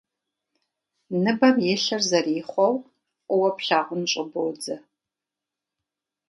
Ныбэм илъыр зэрихъуэу фӀыуэ плъагъун щӀыбодзэ.